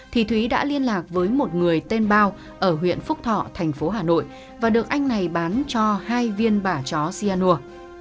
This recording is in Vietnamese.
thì thúy đã liên lạc với một người tên bao ở huyện phúc thọ thành phố hà nội và được anh này bán cho hai viên bà chó cyanur